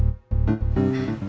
ini udah di sini